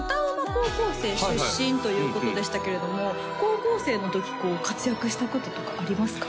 高校生出身ということでしたけれども高校生の時活躍したこととかありますか？